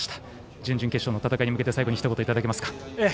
準々決勝に向けて最後にひと言いただけますか？